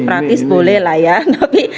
praktis boleh lah ya tapi